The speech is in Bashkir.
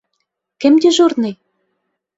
Кем дежурный?